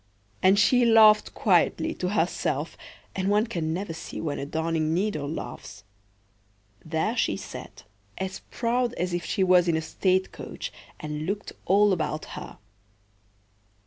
And she laughed quietly to herself—and one can never see when a darning needle laughs. There she sat, as proud as if she was in a state coach, and looked all about her.